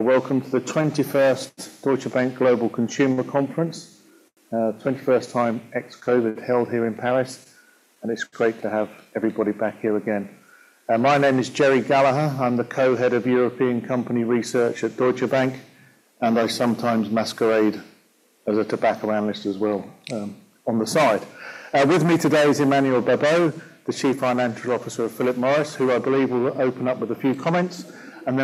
Welcome to the 21st Deutsche Bank Global Consumer Conference. 21st time ex-COVID held here in Paris, and it's great to have everybody back here again. My name is Gerry Gallagher. I'm the Co-Head of European Company Research at Deutsche Bank, and I sometimes masquerade as a tobacco analyst as well, on the side. With me today is Emmanuel Babeau, the Chief Financial Officer of Philip Morris, who I believe will open up with a few comments, and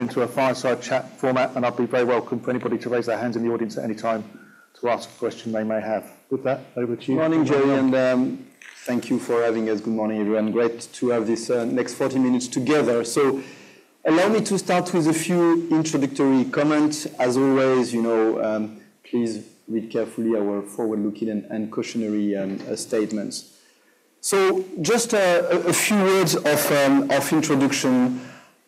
then we'll go into a fireside chat format, and I'd be very welcome for anybody to raise their hands in the audience at any time to ask a question they may have. With that, over to you. Good morning, Gerry, and thank you for having us. Good morning, everyone. Great to have this next 40 minutes together. So allow me to start with a few introductory comments. As always, you know, please read carefully our forward-looking and cautionary statements. So just a few words of introduction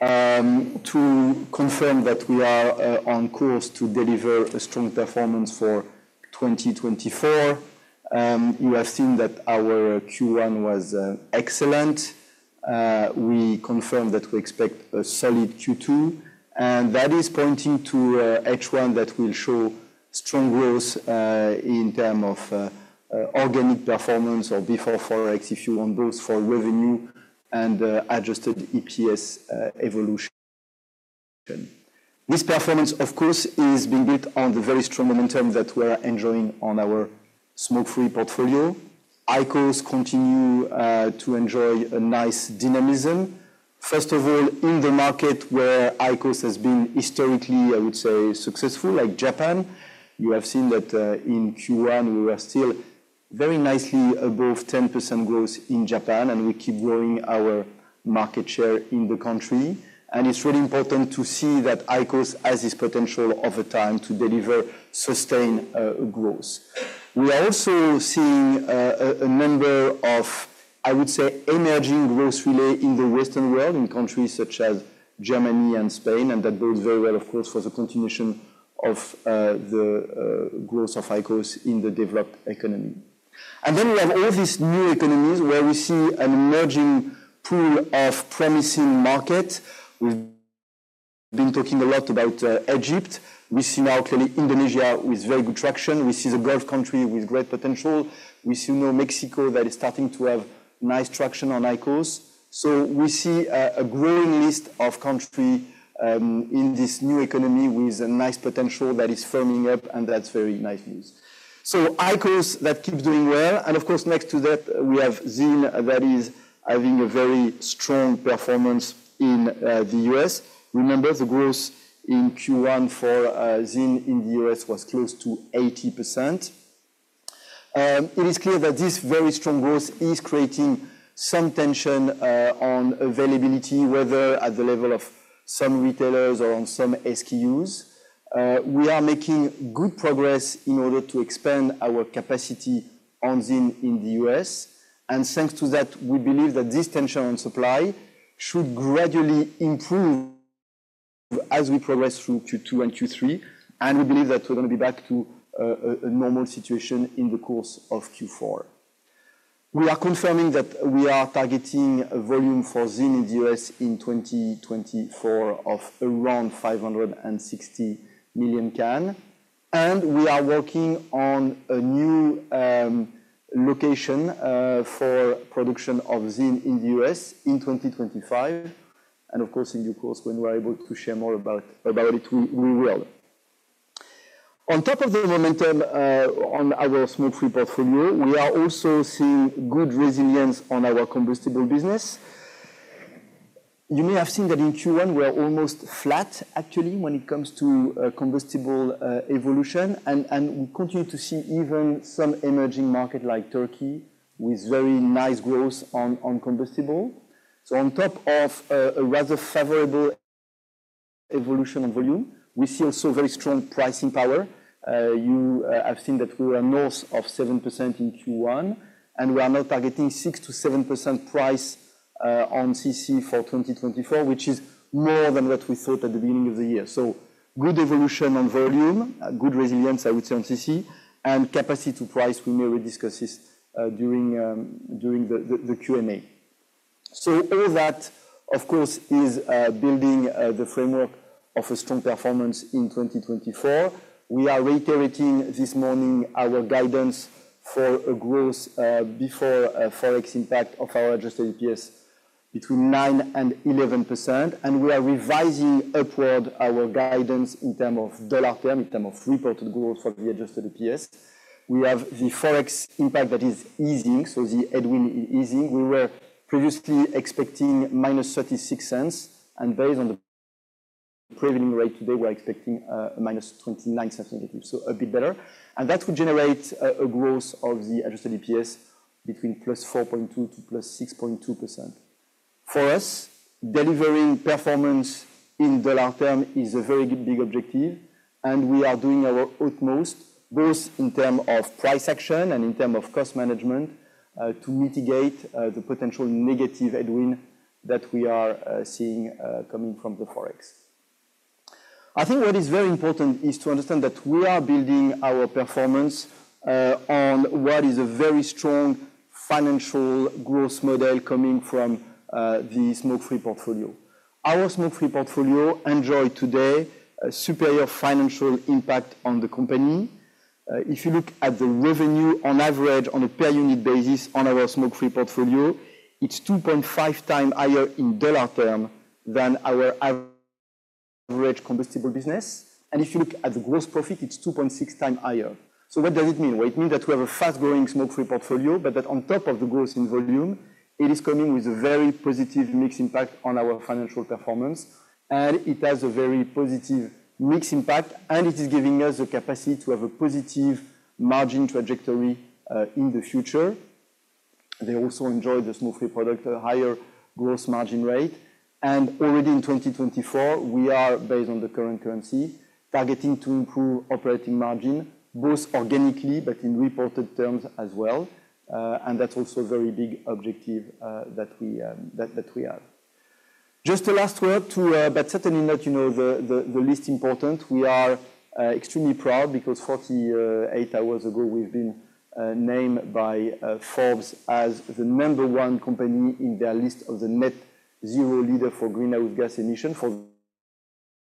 to confirm that we are on course to deliver a strong performance for 2024. You have seen that our Q1 was excellent. We confirm that we expect a solid Q2, and that is pointing to a H1 that will show strong growth in terms of organic performance or before Forex, if you want both for revenue and adjusted EPS evolution. This performance, of course, is being built on the very strong momentum that we're enjoying on our smoke-free portfolio. IQOS continues to enjoy a nice dynamism. First of all, in the market where IQOS has been historically, I would say, successful, like Japan, you have seen that, in Q1, we were still very nicely above 10% growth in Japan, and we keep growing our market share in the country. It's really important to see that IQOS has this potential over time to deliver sustained growth. We are also seeing a number of, I would say, emerging growth relay in the Western world, in countries such as Germany and Spain, and that bodes very well, of course, for the continuation of the growth of IQOS in the developed economy. Then we have all these new economies where we see an emerging pool of promising market. We've been talking a lot about Egypt. We see now clearly Indonesia with very good traction. We see the growth country with great potential. We see now Mexico that is starting to have nice traction on IQOS. So we see a growing list of country in this new economy with a nice potential that is firming up, and that's very nice news. So IQOS, that keeps doing well, and of course, next to that, we have ZYN, that is having a very strong performance in the US Remember, the growth in Q1 for ZYN in the US was close to 80%. It is clear that this very strong growth is creating some tension on availability, whether at the level of some retailers or on some SKUs. We are making good progress in order to expand our capacity on ZYN in the US, and thanks to that, we believe that this tension on supply should gradually improve as we progress through Q2 and Q3, and we believe that we're gonna be back to a normal situation in the course of Q4. We are confirming that we are targeting a volume for ZYN in the US in 2024 of around 560 million cans, and we are working on a new location for production of ZYN in the US in 2025. And of course, in due course, when we are able to share more about it, we will. On top of the momentum on our smoke-free portfolio, we are also seeing good resilience on our combustible business. You may have seen that in Q1, we are almost flat, actually, when it comes to combustible evolution, and we continue to see even some emerging market like Turkey, with very nice growth on combustible. So on top of a rather favorable evolution on volume, we see also very strong pricing power. You have seen that we are north of 7% in Q1, and we are now targeting 6% to 7% price on CC for 2024, which is more than what we thought at the beginning of the year. So good evolution on volume, good resilience, I would say, on CC, and capacity to price, we may discuss this during the Q&A. So all that, of course, is building the framework of a strong performance in 2024. We are reiterating this morning our guidance for a growth before Forex impact of our adjusted EPS between 9% and 11%, and we are revising upward our guidance in term of dollar term, in term of reported growth for the adjusted EPS. We have the Forex impact that is easing, so the headwind is easing. We were previously expecting -$0.36, and based on the prevailing rate today, we are expecting -$0.29 negative, so a bit better. And that would generate a growth of the adjusted EPS between +4.2% to +6.2%. For us, delivering performance in dollar terms is a very big objective, and we are doing our utmost, both in terms of price action and in terms of cost management, to mitigate the potential negative headwind that we are seeing coming from the Forex... I think what is very important is to understand that we are building our performance on what is a very strong financial growth model coming from the smoke-free portfolio. Our smoke-free portfolio enjoy today a superior financial impact on the company. If you look at the revenue on average, on a per-unit basis on our smoke-free portfolio, it's 2.5x higher in dollar terms than our average combustible business. And if you look at the gross profit, it's 2.6x higher. So what does it mean? Well, it means that we have a fast-growing smoke-free portfolio, but that on top of the growth in volume, it is coming with a very positive mix impact on our financial performance, and it has a very positive mix impact, and it is giving us the capacity to have a positive margin trajectory in the future. They also enjoy the smoke-free product, a higher gross margin rate. And already in 2024, we are, based on the current currency, targeting to improve operating margin, both organically but in reported terms as well. And that's also a very big objective that we have. Just a last word to, but certainly not, you know, the least important. We are extremely proud because 48 hours ago, we've been named by Forbes as the number one company in their list of the Net Zero leader for greenhouse gas emission, for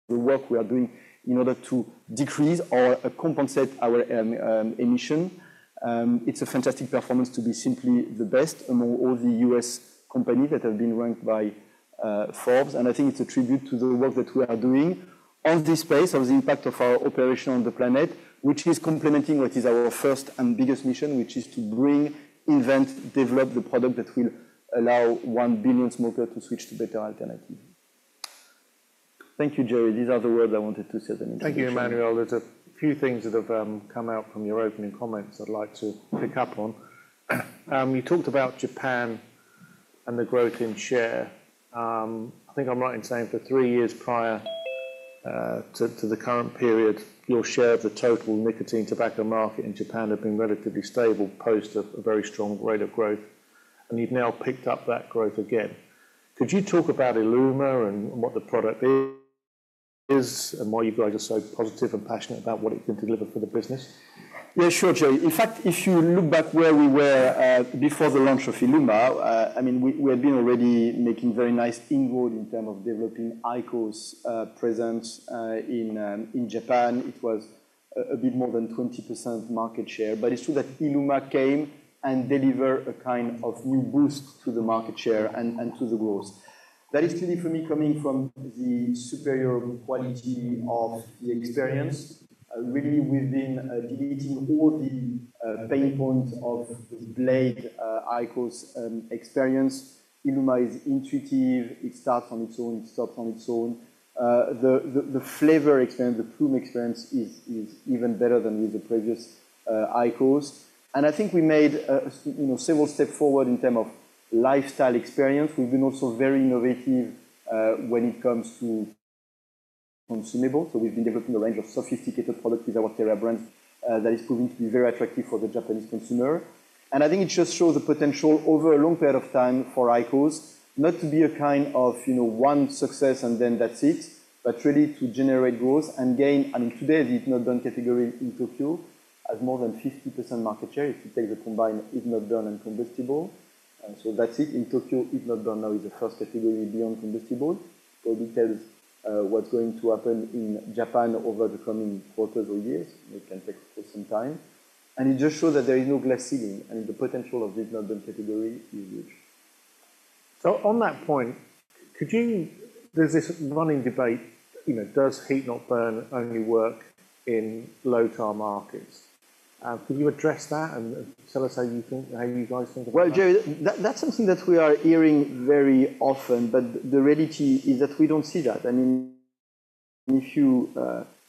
the work we are doing in order to decrease or compensate our emission. It's a fantastic performance to be simply the best among all the US companies that have been ranked by Forbes, and I think it's a tribute to the work that we are doing on this space, of the impact of our operation on the planet, which is complementing what is our first and biggest mission, which is to bring, invent, develop the product that will allow one billion smoker to switch to better alternative. Thank you, Gerry. These are the words I wanted to say than introduction. Thank you, Emmanuel. There's a few things that have come out from your opening comments I'd like to pick up on. You talked about Japan and the growth in share. I think I'm right in saying for three years prior to the current period, your share of the total nicotine tobacco market in Japan had been relatively stable, post a very strong rate of growth, and you've now picked up that growth again. Could you talk about ILUMA and what the product is, and why you guys are so positive and passionate about what it can deliver for the business? Yeah, sure, Gerry. In fact, if you look back where we were before the launch of ILUMA, I mean, we had been already making very nice inroad in term of developing IQOS presence in Japan. It was a bit more than 20% market share. But it's true that ILUMA came and deliver a kind of new boost to the market share and to the growth. That is clearly, for me, coming from the superior quality of the experience. Really, we've been deleting all the pain points of the blade IQOS experience. ILUMA is intuitive. It starts on its own, it stops on its own. The flavor experience, the plume experience is even better than with the previous IQOS. And I think we made, you know, several steps forward in terms of lifestyle experience. We've been also very innovative when it comes to consumables. So we've been developing a range of sophisticated products with our TEREA brand that is proving to be very attractive for the Japanese consumer. And I think it just shows the potential over a long period of time for IQOS not to be a kind of, you know, one success and then that's it, but really to generate growth and gain. I mean, today, the heat-not-burn category in Tokyo has more than 50% market share if you take the combined heat-not-burn and combustible. So that's it. In Tokyo, heat-not-burn now is the first category beyond combustible. So it tells what's going to happen in Japan over the coming quarters or years. It can take some time, and it just shows that there is no glass ceiling, and the potential of the heat-not-burn category is huge. On that point, could you... There's this running debate, you know, does heat-not-burn only work in low-tar markets? Can you address that and tell us how you think, how you guys think about it? Well, Gerry, that, that's something that we are hearing very often, but the reality is that we don't see that. I mean, if you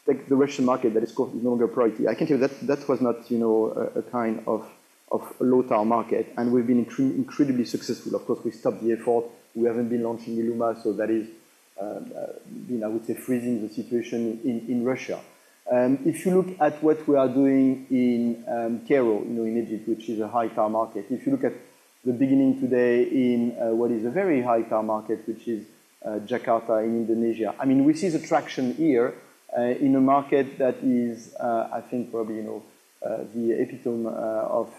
take the Russian market, that is, of course, no longer a priority. I can tell you that that was not, you know, a kind of a low-tar market, and we've been incredibly successful. Of course, we stopped the effort. We haven't been launching ILUMA, so that is, you know, I would say, freezing the situation in Russia. If you look at what we are doing in Cairo, you know, in Egypt, which is a high-tar market. If you look at the beginning today in what is a very high-tar market, which is Jakarta in Indonesia. I mean, we see the traction here, in a market that is, I think probably, you know, the epitome of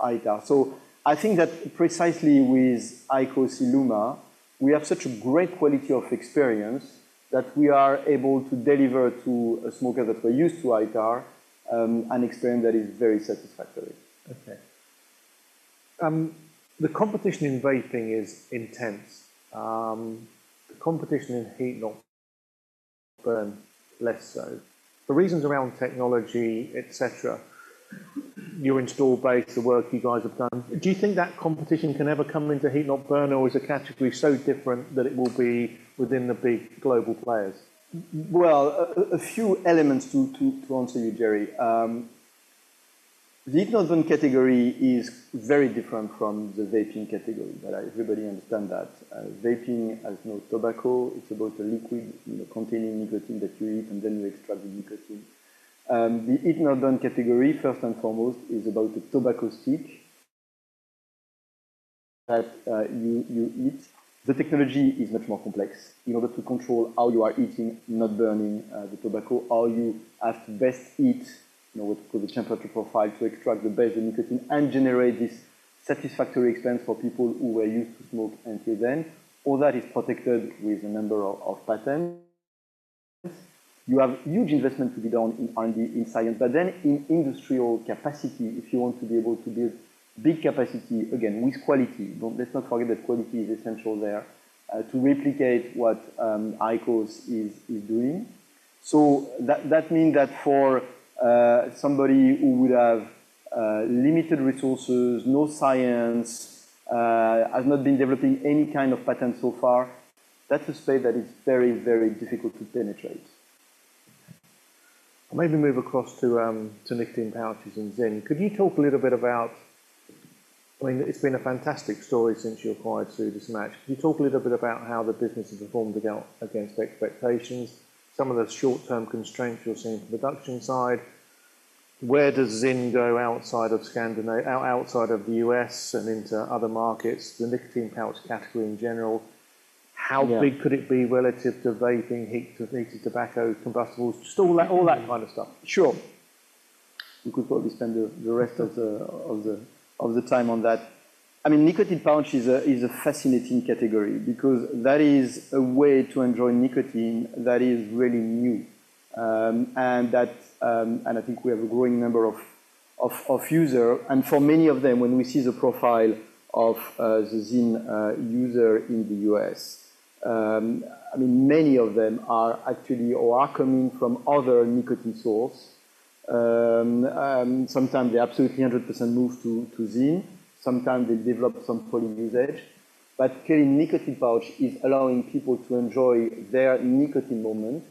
high-tar. So I think that precisely with IQOS ILUMA, we have such a great quality of experience, that we are able to deliver to a smoker that are used to high-tar, an experience that is very satisfactory. Okay. The competition in vaping is intense. The competition in heat-not-burn, less so. The reasons around technology, et cetera, your install base, the work you guys have done, do you think that competition can ever come into heat-not-burn, or is the category so different that it will be within the big global players? Well, a few elements to answer you, Gerry. The heat-not-burn category is very different from the vaping category. That, everybody understand that. Vaping has no tobacco. It's about a liquid, you know, containing nicotine that you heat and then you extract the nicotine. The heat-not-burn category, first and foremost, is about a tobacco stick that you heat. The technology is much more complex in order to control how you are heating, not burning the tobacco. How you at best heat, you know, with the temperature profile to extract the best of nicotine and generate this satisfactory experience for people who were used to smoke until then. All that is protected with a number of patents. You have huge investment to be done in R&D, in science, but then in industrial capacity, if you want to be able to build big capacity, again, with quality. Let's not forget that quality is essential there to replicate what IQOS is doing. So that means that for somebody who would have limited resources, no science, has not been developing any kind of patent so far, that's a space that is very, very difficult to penetrate. Maybe move across to nicotine pouches and ZYN. Could you talk a little bit about... I mean, it's been a fantastic story since you acquired Swedish Match. Could you talk a little bit about how the business has performed against expectations, some of the short-term constraints you're seeing on the production side? Where does ZYN go outside of Scandinavia, outside of the US and into other markets, the nicotine pouch category in general? Yeah. How big could it be relative to vaping, heated, heated tobacco, combustibles, just all that, all that kind of stuff? Sure. We could probably spend the rest of the time on that. I mean, nicotine pouch is a fascinating category because that is a way to enjoy nicotine that is really new. And I think we have a growing number of user. And for many of them, when we see the profile of the ZYN user in the US, I mean, many of them are actually or are coming from other nicotine source. Sometimes they absolutely 100% move to ZYN, sometimes they develop some poly usage. But clearly, nicotine pouch is allowing people to enjoy their nicotine moment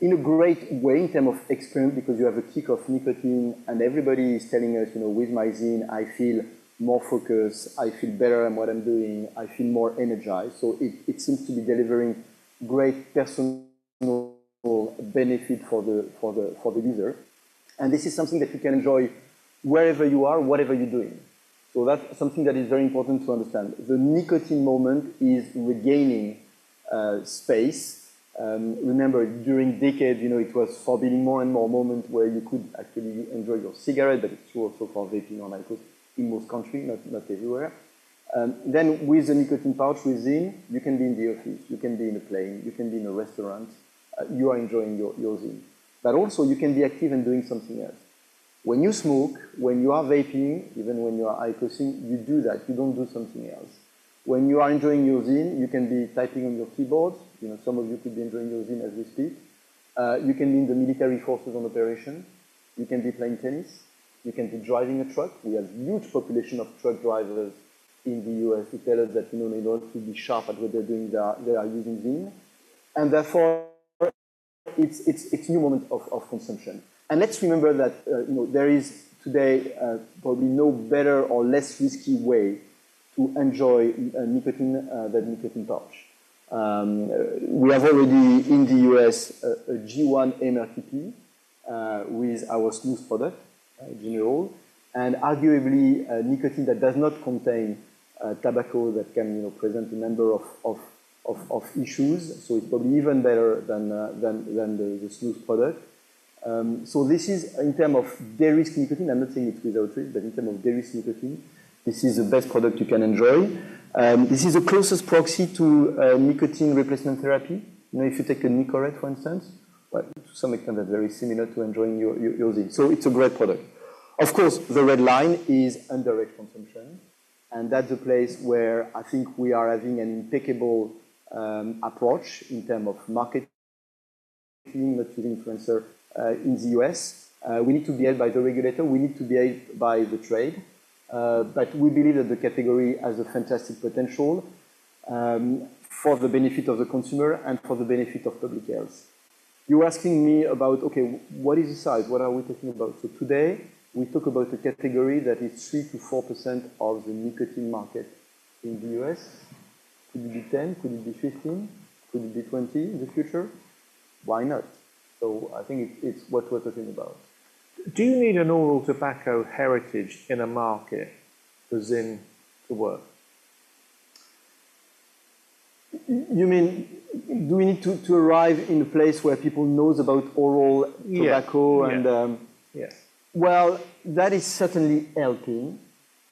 in a great way in terms of experience, because you have a kick of nicotine, and everybody is telling us, "You know, with my ZYN, I feel more focused, I feel better at what I'm doing. I feel more energized." So it seems to be delivering great personal benefit for the user. And this is something that you can enjoy wherever you are, whatever you're doing. So that's something that is very important to understand. The nicotine moment is regaining space. Remember, during decade, you know, it was forbidden, more and more moments where you could actually enjoy your cigarette, but it's true also for vaping or IQOS in most country, not everywhere. Then with the nicotine pouch, with ZYN, you can be in the office, you can be in a plane, you can be in a restaurant, you are enjoying your ZYN. But also you can be active and doing something else. When you smoke, when you are vaping, even when you are IQOSing, you do that, you don't do something else. When you are enjoying your ZYN, you can be typing on your keyboard. You know, some of you could be enjoying your ZYN as we speak. You can be in the military forces on operation. You can be playing tennis. You can be driving a truck. We have huge population of truck drivers in the US who tell us that, you know, in order to be sharp at what they're doing, they are using ZYN. And therefore, it's a new moment of consumption. And let's remember that, you know, there is today, probably no better or less risky way to enjoy, nicotine, than nicotine pouch. We have already in the US a G1 MRTP with our snus product, General. And arguably, nicotine that does not contain, tobacco, that can, you know, present a number of issues. So it's probably even better than the smooth product. So this is in term of de-risk nicotine, I'm not saying it's without risk, but in term of de-risk nicotine, this is the best product you can enjoy. This is the closest proxy to nicotine replacement therapy. You know, if you take a Nicorette, for instance, well, to some extent, they're very similar to enjoying your, your, your ZYN. So it's a great product. Of course, the red line is under age consumption, and that's the place where I think we are having an impeccable approach in terms of marketing, not influencer, in the US. We need to be helped by the regulator, we need to be helped by the trade, but we believe that the category has a fantastic potential for the benefit of the consumer and for the benefit of public health. You are asking me about, okay, what is the size? What are we talking about? So today, we talk about a category that is 3% to 4% of the nicotine market in the US. Could it be 10%? Could it be 15%? Could it be 20% in the future? Why not? I think it's, it's what we're talking about. Do you need an oral tobacco heritage in a market for ZYN to work? You mean do we need to, to arrive in a place where people knows about oral tobacco? Well, that is certainly helping,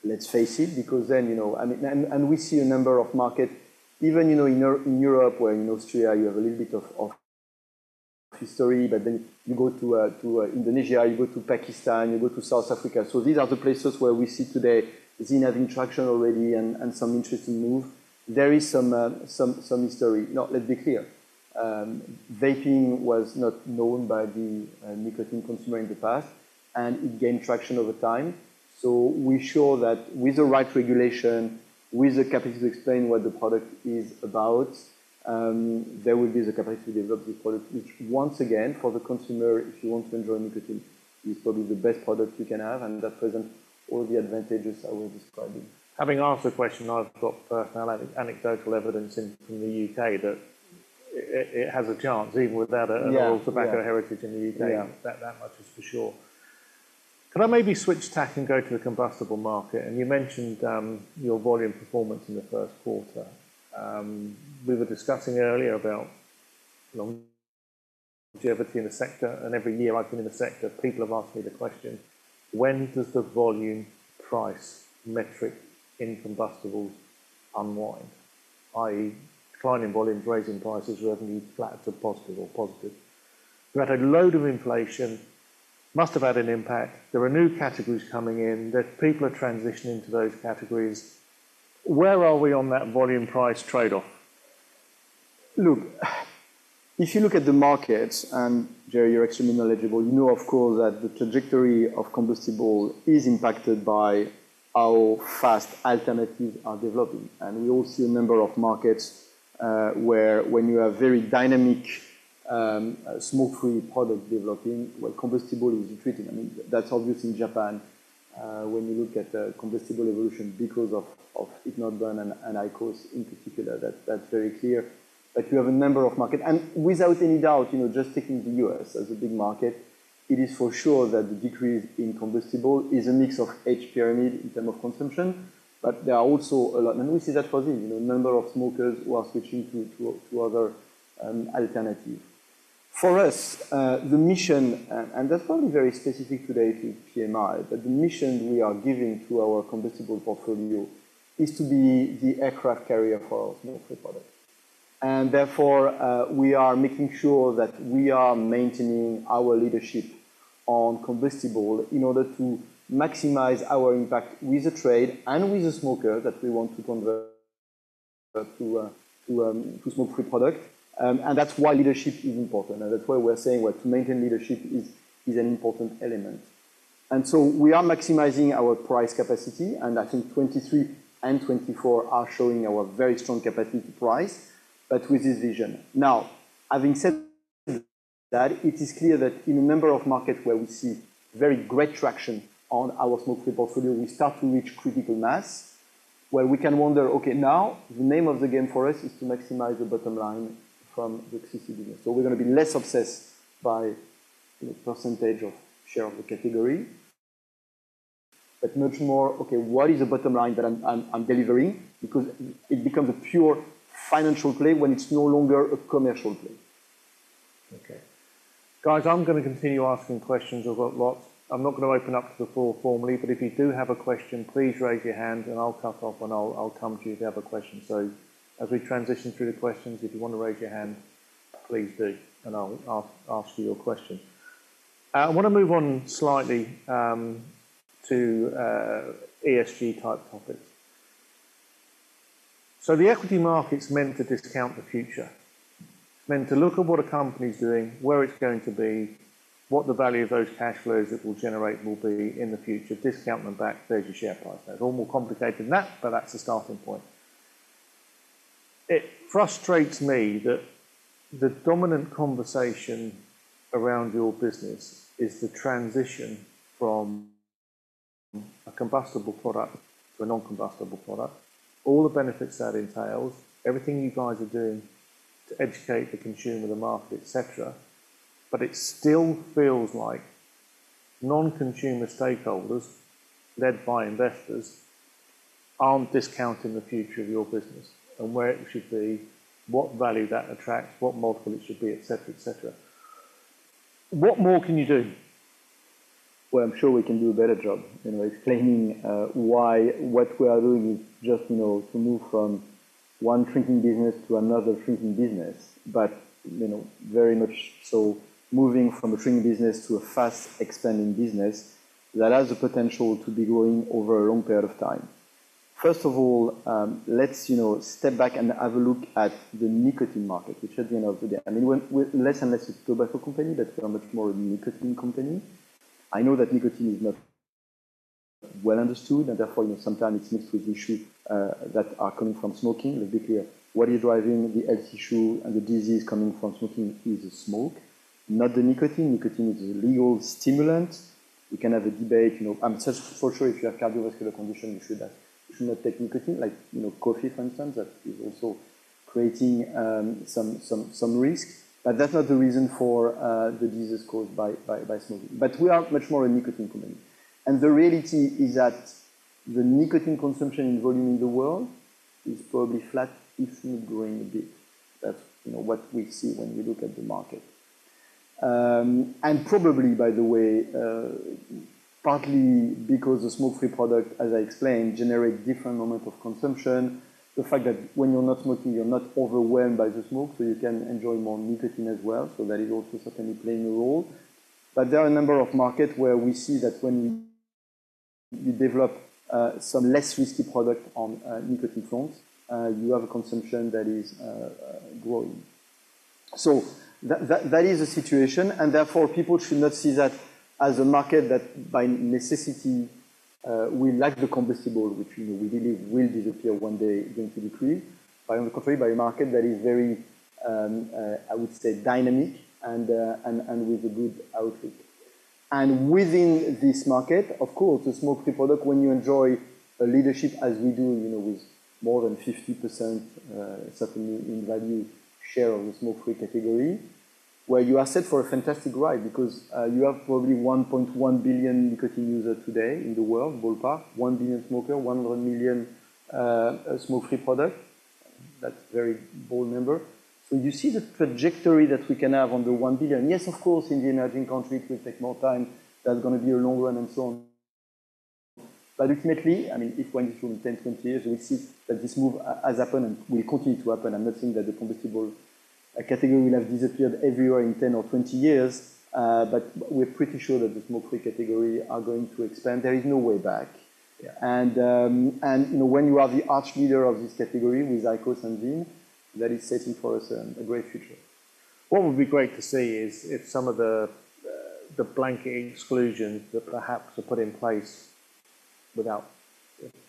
let's face it, because then, you know... I mean, and we see a number of markets, even, you know, in Europe or in Austria, you have a little bit of history, but then you go to Indonesia, you go to Pakistan, you go to South Africa. So these are the places where we see today ZYN having traction already and some interesting move. There is some history. Now, let's be clear, vaping was not known by the nicotine consumer in the past, and it gained traction over time. So we're sure that with the right regulation, with the capacity to explain what the product is about, there will be the capacity to develop this product, which once again, for the consumer, if you want to enjoy nicotine, is probably the best product you can have, and that presents all the advantages I was describing. Having asked the question, I've got personal anecdotal evidence in from the UK that it has a chance, even without oral tobacco heritage in the UK. That, that much is for sure. Can I maybe switch tack and go to the combustible market? And you mentioned your volume performance in the Q1. We were discussing earlier about longevity in the sector, and every year I've been in the sector, people have asked me the question: When does the volume price metric in combustibles unwind? i.e., decline in volumes, raising prices, revenue flat to positive or positive. You had a load of inflation, must have had an impact. There are new categories coming in that people are transitioning to those categories. Where are we on that volume-price trade-off? Look, if you look at the markets, and Gerry, you're extremely knowledgeable, you know, of course, that the trajectory of combustible is impacted by how fast alternatives are developing. And we all see a number of markets, where when you have very dynamic, smoke-free products developing, well, combustible is retreating. I mean, that's obvious in Japan, when you look at the combustible evolution because of IQOS and IQOS in particular. That's very clear. But you have a number of markets. And without any doubt, you know, just taking the US as a big market, it is for sure that the decrease in combustible is a mix of age pyramid in terms of consumption. But there are also a lot. And we see that positive, you know, number of smokers who are switching to other alternatives. For us, the mission, and that's probably very specific today to PMI, but the mission we are giving to our combustible portfolio is to be the aircraft carrier for smoke-free products. And therefore, we are making sure that we are maintaining our leadership on combustible in order to maximize our impact with the trade and with the smoker that we want to convert to smoke-free product. And that's why leadership is important, and that's why we're saying that to maintain leadership is an important element. And so we are maximizing our price capacity, and I think 2023 and 2024 are showing our very strong capacity to price, but with this vision. Now, having said that, it is clear that in a number of markets where we see very great traction on our smoke-free portfolio, we start to reach critical mass, where we can wonder, okay, now the name of the game for us is to maximize the bottom line from the accessibility. So we're gonna be less obsessed by the percentage of share of the category, but much more, "Okay, what is the bottom line that I'm, I'm, I'm delivering?" Because it becomes a pure financial play when it's no longer a commercial play. Okay. Guys, I'm gonna continue asking questions. I've got lots. I'm not gonna open up to the floor formally, but if you do have a question, please raise your hand, and I'll cut off, and I'll, I'll come to you if you have a question. So as we transition through the questions, if you want to raise your hand, please do, and I'll, I'll ask you your question. I wanna move on slightly to ESG-type topics. So the equity market's meant to discount the future, meant to look at what a company's doing, where it's going to be, what the value of those cash flows it will generate will be in the future, discount them back, there's your share price. Now, it's all more complicated than that, but that's the starting point. It frustrates me that the dominant conversation around your business is the transition from a combustible product to a non-combustible product. All the benefits that entails, everything you guys are doing to educate the consumer, the market, et cetera. But it still feels like non-consumer stakeholders, led by investors, aren't discounting the future of your business and where it should be, what value that attracts, what multiple it should be, et cetera, et cetera. What more can you do? Well, I'm sure we can do a better job, you know, explaining why what we are doing is just, you know, to move from one shrinking business to another shrinking business. But, you know, very much so, moving from a shrinking business to a fast-expanding business that has the potential to be growing over a long period of time. First of all, let's, you know, step back and have a look at the nicotine market, which at the end of the day... I mean, we're, we're less and less a tobacco company, but we're much more a nicotine company. I know that nicotine is not well understood, and therefore, you know, sometimes it's mixed with issues that are coming from smoking. Let's be clear, what is driving the health issue and the disease coming from smoking is the smoke, not the nicotine. Nicotine is a legal stimulant. We can have a debate, you know, just for sure, if you have cardiovascular condition, you should you should not take nicotine. Like, you know, coffee, for instance, that is also creating, some risk, but that's not the reason for, the diseases caused by, smoking. But we are much more a nicotine company. And the reality is that the nicotine consumption in volume in the world is probably flat, if not growing a bit. That's, you know, what we see when we look at the market. And probably, by the way, partly because the smoke-free product, as I explained, generate different moment of consumption. The fact that when you're not smoking, you're not overwhelmed by the smoke, so you can enjoy more nicotine as well. So that is also certainly playing a role. But there are a number of markets where we see that when you develop some less risky product on the nicotine front, you have a consumption that is growing. So that is the situation, and therefore, people should not see that as a market that, by necessity, unlike the combustible, which, you know, we believe will disappear one day, going to decrease. But on the contrary, a market that is very dynamic and with a good outlook. And within this market, of course, the smoke-free product, when you enjoy a leadership as we do, you know, with more than 50%, certainly in value share of the smoke-free category, where you are set for a fantastic ride because you have probably 1.1 billion nicotine users today in the world, ballpark. 1 billion smokers, 1 million smoke-free products. That's a very bold number. So you see the trajectory that we can have on the 1 billion. Yes, of course, in the emerging country, it will take more time. That's gonna be a long run and so on. But ultimately, I mean, in 10, 20 years, we will see that this move has happened and will continue to happen. I'm not saying that the combustible category will have disappeared everywhere in 10 or 20 years, but we're pretty sure that the smoke-free category is going to expand. There is no way back. You know, when you are the arch leader of this category with IQOS and VEEV, that is setting for us a great future. What would be great to see is if some of the, the blanket exclusions that perhaps are put in place without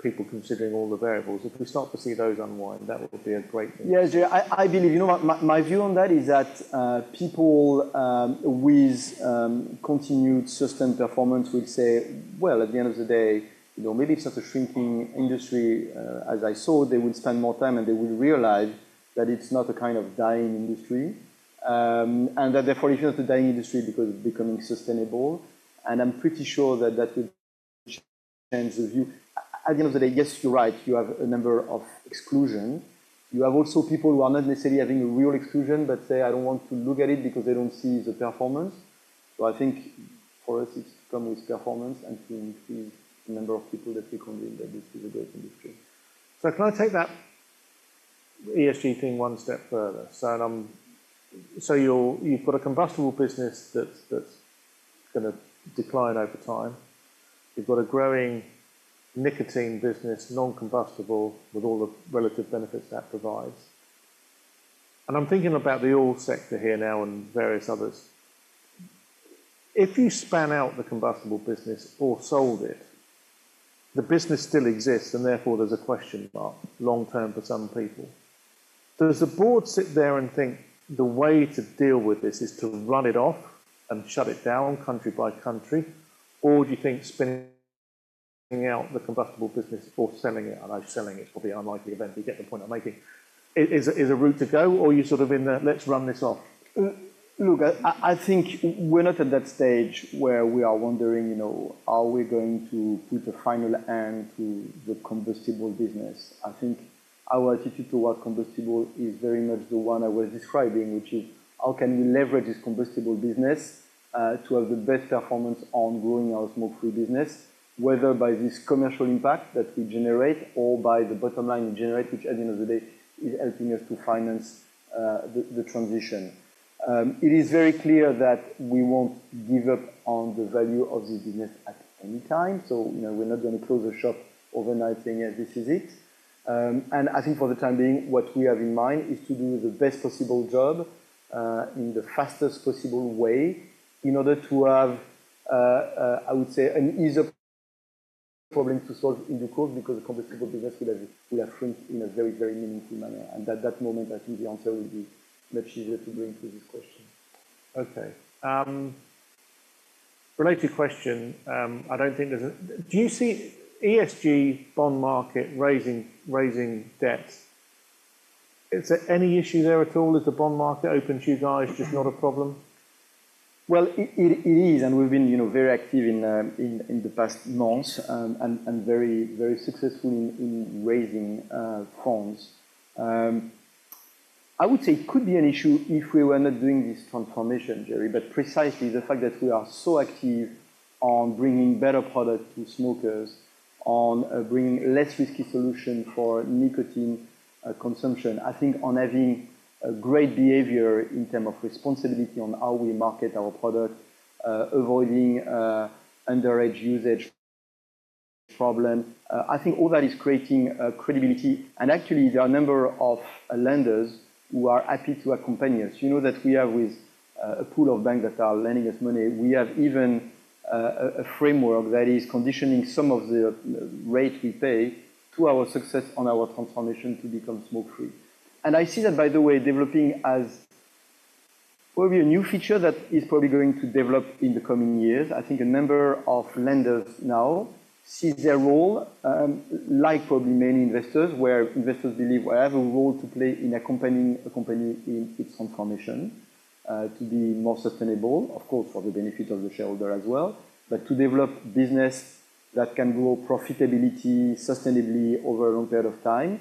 people considering all the variables, if we start to see those unwind, that would be a great thing. Yes, yeah. I believe... You know what? My view on that is that, people with continued system performance will say, "Well, at the end of the day, you know, maybe it's not a shrinking industry." As I saw, they would spend more time, and they would realize that it's not a kind of dying industry. And that therefore, it's not a dying industry because it's becoming sustainable, and I'm pretty sure that that will change the view. At the end of the day, yes, you're right, you have a number of exclusions. You have also people who are not necessarily having a real exclusion, but say, "I don't want to look at it," because they don't see the performance. I think for us, it's come with performance and to increase the number of people that we convince that this is a great industry. So can I take that ESG thing one step further? So, so you're—you've got a combustible business that's gonna decline over time. You've got a growing nicotine business, non-combustible, with all the relative benefits that provides. And I'm thinking about the oil sector here now and various others. If you spin out the combustible business or sold it, the business still exists, and therefore there's a question mark long term for some people. Does the board sit there and think, the way to deal with this is to run it off and shut it down country by country? Or do you think spinning out the combustible business or selling it, and I know selling it is probably an unlikely event, but you get the point I'm making. Is a route to go, or are you sort of in the "let's run this off? Look, I think we're not at that stage where we are wondering, you know, are we going to put a final end to the combustible business? I think our attitude toward combustible is very much the one I was describing, which is: How can we leverage this combustible business to have the best performance on growing our smoke-free business? Whether by this commercial impact that we generate or by the bottom line we generate, which at the end of the day, is helping us to finance the transition. It is very clear that we won't give up on the value of this business at any time, so, you know, we're not going to close the shop overnight, saying, "Yeah, this is it." And I think for the time being, what we have in mind is to do the best possible job in the fastest possible way, in order to have, I would say, an easier problem to solve in the course, because the combustible business will have shrunk in a very, very meaningful manner. And at that moment, I think the answer will be much easier to bring to this question. Okay. Related question. Do you see ESG bond market raising, raising debts? Is there any issue there at all? Is the bond market open to you guys, just not a problem? Well, it is, and we've been, you know, very active in the past months, and very, very successful in raising funds. I would say it could be an issue if we were not doing this transformation, Gerry, but precisely the fact that we are so active on bringing better products to smokers, on bringing less risky solution for nicotine consumption. I think on having a great behavior in term of responsibility on how we market our product, avoiding underage usage problem, I think all that is creating credibility. And actually, there are a number of lenders who are happy to accompany us. You know, that we are with a pool of banks that are lending us money. We have even a framework that is conditioning some of the rate we pay to our success on our transformation to become smoke-free. I see that, by the way, developing as probably a new feature that is probably going to develop in the coming years. I think a number of lenders now see their role, like probably many investors, where investors believe I have a role to play in accompanying a company in its transformation to be more sustainable, of course, for the benefit of the shareholder as well. But to develop business that can grow profitability sustainably over a long period of time.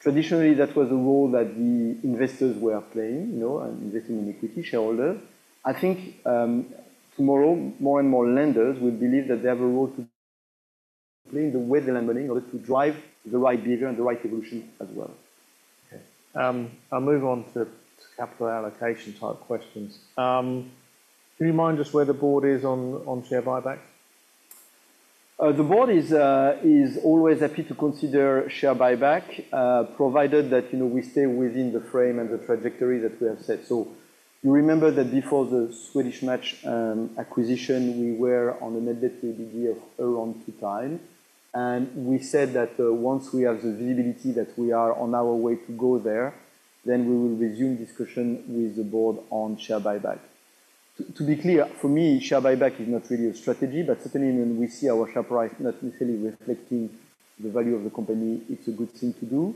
Traditionally, that was a role that the investors were playing, you know, and investing in equity shareholder. I think, tomorrow, more and more lenders will believe that they have a role to play with the lending in order to drive the right behavior and the right evolution as well. Okay, I'll move on to capital allocation type questions. Can you remind us where the board is on, on share buyback? The board is always happy to consider share buyback, provided that, you know, we stay within the frame and the trajectory that we have set. So you remember that before the Swedish Match acquisition, we were on a net debt to EBITDA around two times, and we said that once we have the visibility that we are on our way to go there, then we will resume discussion with the board on share buyback. To be clear, for me, share buyback is not really a strategy, but certainly when we see our share price not necessarily reflecting the value of the company, it's a good thing to do.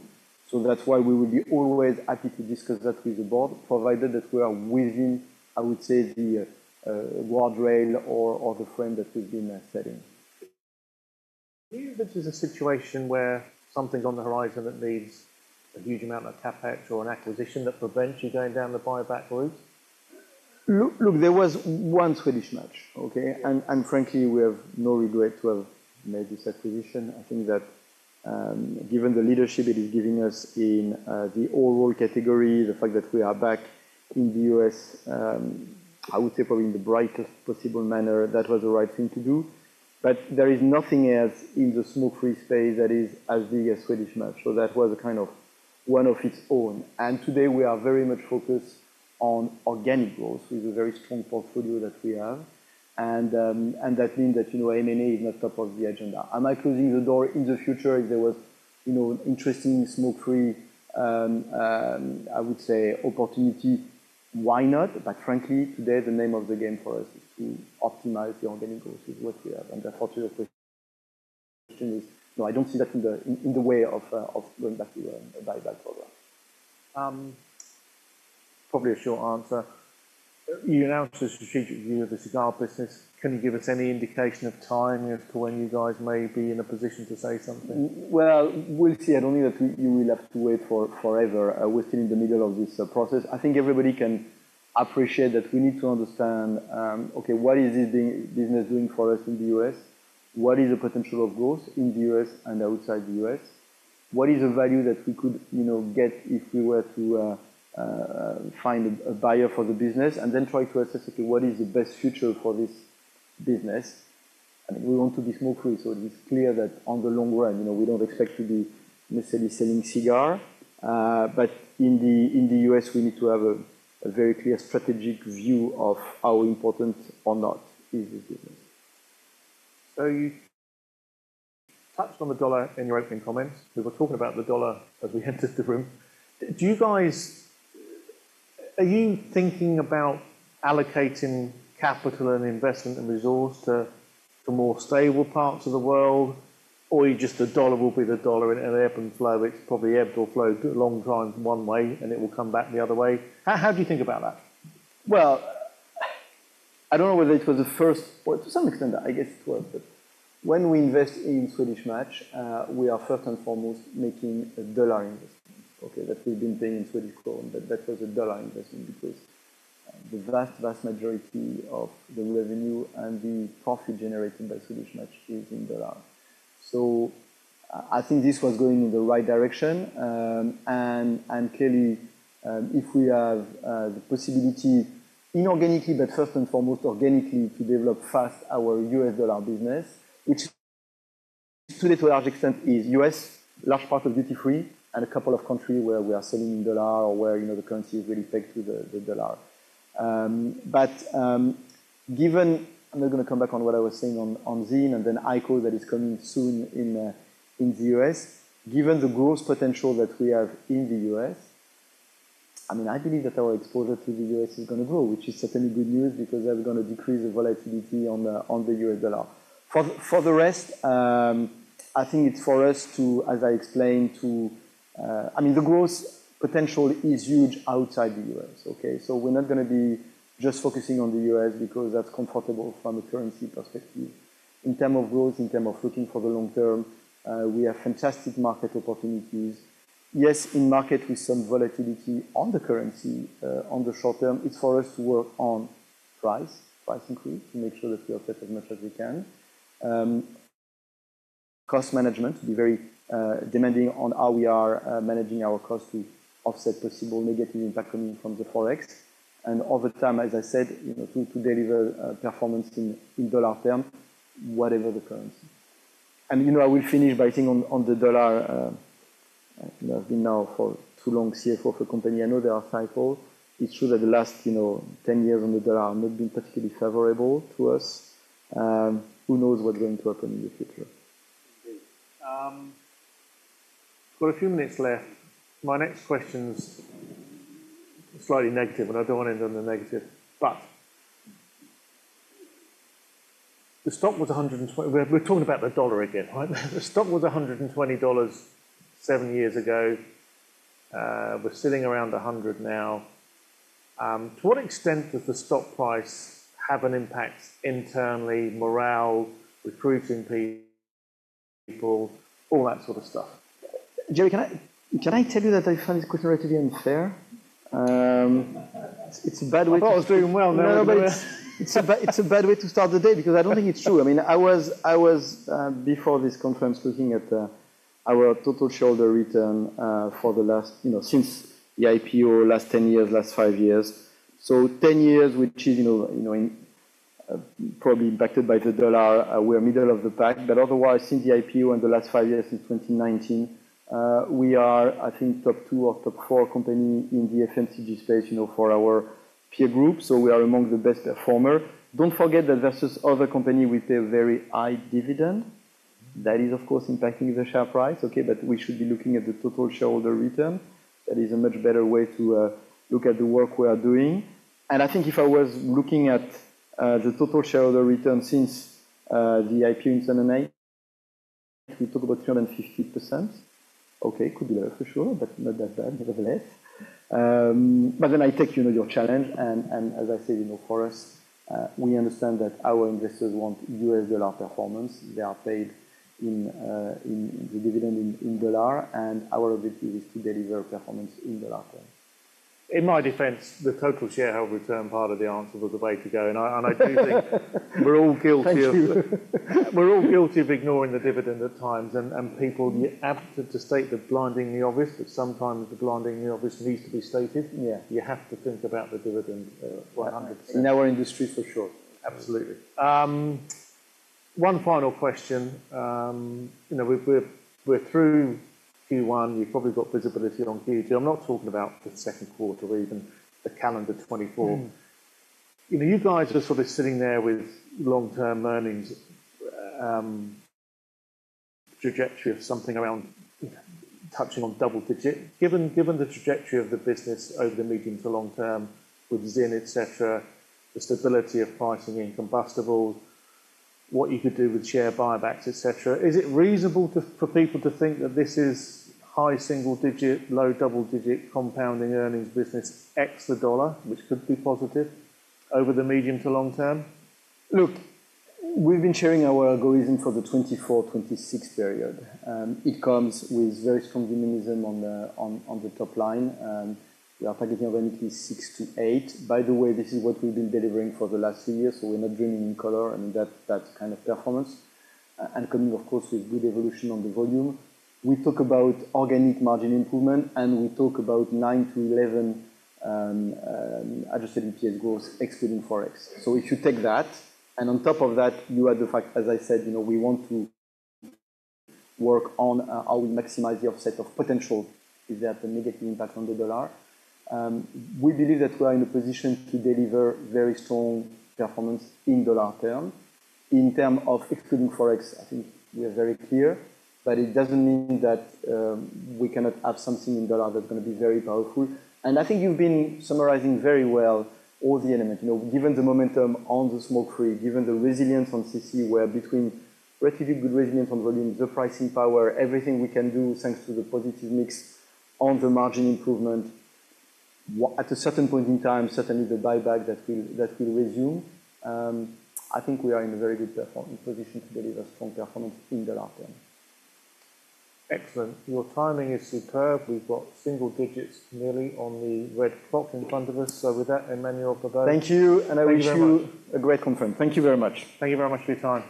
So that's why we will be always happy to discuss that with the board, provided that we are within, I would say, the guardrail or the frame that we've been setting. Do you think there's a situation where something's on the horizon that needs a huge amount of CapEx or an acquisition that prevents you going down the buyback route? Look, look, there was one Swedish Match, okay? And frankly, we have no regret to have made this acquisition. I think that, given the leadership it is giving us in, the overall category, the fact that we are back in the US, I would say probably in the brightest possible manner, that was the right thing to do. But there is nothing else in the smoke-free space that is as big as Swedish Match, so that was a kind of one of its own. And today we are very much focused on organic growth with the very strong portfolio that we have. And that means that, you know, M&A is not top of the agenda. Am I closing the door in the future if there was, you know, an interesting smoke-free, I would say opportunity? Why not? But frankly, today the name of the game for us is to optimize the organic growth with what we have. Therefore, to your question, no, I don't see that in the way of going back to a buyback program. Probably a short answer. You announced a strategic review of the cigar business. Can you give us any indication of timing as to when you guys may be in a position to say something? Well, we'll see. I don't think that you will have to wait for forever. We're still in the middle of this process. I think everybody can appreciate that we need to understand, okay, what is the business doing for us in the US? What is the potential of growth in the US and outside the US? What is the value that we could, you know, get if we were to find a buyer for the business? And then try to assess, okay, what is the best future for this business? And we want to be smoke-free, so it is clear that on the long run, you know, we don't expect to be necessarily selling cigar. But in the US, we need to have a very clear strategic view of how important or not is this business. So you touched on the US dollar in your opening comments. We were talking about the US dollar as we entered the room. Are you thinking about allocating capital and investment and resource to, to more stable parts of the world? Or are you just the US dollar will be the US dollar and the ebb and flow, it's probably ebbed or flowed a long time one way, and it will come back the other way. How, how do you think about that? Well, I don't know whether it was the first or to some extent, I guess it was, but when we invest in Swedish Match, we are first and foremost making a dollar investment. Okay, that we've been paying in Swedish krona, but that was a dollar investment because the vast, vast majority of the revenue and the profit generated by Swedish Match is in dollar. So I think this was going in the right direction. And clearly, if we have the possibility inorganically, but first and foremost organically, to develop fast our US dollar business, which to a large extent is US, large part of duty-free and a couple of countries where we are selling in dollar or where, you know, the currency is really pegged to the dollar. But given... I'm not gonna come back on what I was saying on, on ZYN and then IQOS that is coming soon in, in the US Given the growth potential that we have in the US, I mean, I believe that our exposure to the US is gonna grow, which is certainly good news, because that is gonna decrease the volatility on the, on the US dollar. For, for the rest, I think it's for us to, as I explained, to, I mean, the growth potential is huge outside the US, okay? So we're not gonna be just focusing on the US because that's comfortable from a currency perspective. In term of growth, in term of looking for the long term, we have fantastic market opportunities. Yes, in market with some volatility on the currency, on the short term, it's for us to work on price, price increase, to make sure that we offset as much as we can. Cost management to be very, demanding on how we are, managing our cost to offset possible negative impact coming from the Forex. And over time, as I said, you know, to, to deliver, performance in, in dollar term, whatever the currency. And, you know, I will finish by saying on, on the dollar, I've been now for too long CFO of a company, I know there are cycles. It's true that the last, you know, 10 years on the dollar have not been particularly favorable to us. Who knows what's going to happen in the future? Indeed. Got a few minutes left. My next question's slightly negative, and I don't want to end on a negative, but the stock was $120... We're talking about the dollar again, right? The stock was $120 seven years ago. We're sitting around $100 now. To what extent does the stock price have an impact internally, morale, recruiting people, all that sort of stuff? Gerry, can I tell you that I find this question a little bit unfair? It's a bad way to- I thought I was doing well now. No, but it's a bad way to start the day because I don't think it's true. I mean, I was before this conference looking at our Total Shareholder Return for the last, you know, since the IPO, last 10 years, last 5 years. So 10 years, which is, you know, in, probably impacted by the dollar, we are middle of the pack. But otherwise, since the IPO and the last 5 years, since 2019, we are, I think, top 2 or top 4 company in the FMCG space, you know, for our peer group. So we are among the best performer. Don't forget that versus other company, we pay a very high dividend. That is of course impacting the share price, okay? But we should be looking at the Total Shareholder Return. That is a much better way to look at the work we are doing. And I think if I was looking at the total shareholder return since the IPO in 1979, we talk about 350%. Okay, could be lower for sure, but not that bad, nevertheless. But then I take, you know, your challenge, and as I said, you know, for us, we understand that our investors want US dollar performance. They are paid in the dividend in dollar, and our objective is to deliver performance in dollar term. In my defense, the total shareholder return part of the answer was the way to go. And I do think we're all guilty of, we're all guilty of ignoring the dividend at times, and people, you have to state the blindingly obvious, but sometimes the blindingly obvious needs to be stated. Yeah. You have to think about the dividend, 100%. In our industry, for sure. Absolutely. One final question. You know, we're through Q1. You've probably got visibility on Q2. I'm not talking about the second quarter or even the calendar 2024. You know, you guys are sort of sitting there with long-term earnings trajectory of something around, you know, touching on double digit. Given, given the trajectory of the business over the medium to long term with ZYN, et cetera, the stability of pricing in combustible, what you could do with share buybacks, et cetera, is it reasonable to, for people to think that this is high single digit, low double digit compounding earnings business, ex the dollar, which could be positive over the medium to long term? Look, we've been sharing our algorithm for the 2024-2026 period. It comes with very strong dynamism on the top line, and we are targeting organic 6% to 8%. By the way, this is what we've been delivering for the last three years, so we're not dreaming in color and that kind of performance, and coming of course with good evolution on the volume. We talk about organic margin improvement, and we talk about 9% to 11% adjusted EPS growth, excluding Forex. So if you take that, and on top of that, you add the fact, as I said, you know, we want to work on how we maximize the offset of potential, if there's a negative impact on the dollar. We believe that we are in a position to deliver very strong performance in dollar term. In terms of excluding Forex, I think we are very clear, but it doesn't mean that we cannot have something in dollar that's gonna be very powerful. I think you've been summarizing very well all the elements. You know, given the momentum on the smoke-free, given the resilience on CC, where between relatively good resilience on volume, the pricing power, everything we can do, thanks to the positive mix on the margin improvement, what at a certain point in time, certainly the buyback that will, that will resume, I think we are in a very good performing position to deliver strong performance in dollar terms. Excellent. Your timing is superb. We've got single digits nearly on the red clock in front of us. So with that, Emmanuel Babeau- Thank you, and I wish you- Thank you very much.... a great conference. Thank you very much. Thank you very much for your time.